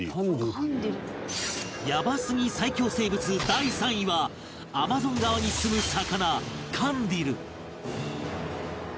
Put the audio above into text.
ヤバすぎ最恐生物第３位はアマゾン川に棲む魚